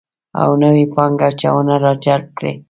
او نوې پانګه اچونه راجلب کړي